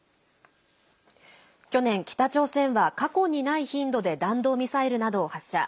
去年、北朝鮮は過去にない頻度で弾道ミサイルなどを発射。